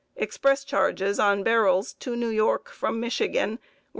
Express charges on barrels to New York from Michigan were $6.